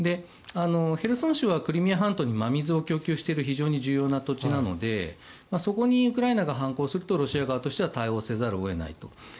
ヘルソン州はクリミア半島に真水を供給している非常に重要な土地なのでそこにウクライナが反攻するとロシア側としては対応せざるを得ないと。